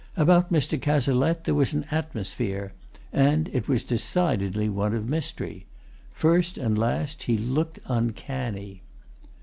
About Mr. Cazalette there was an atmosphere and it was decidedly one of mystery. First and last, he looked uncanny.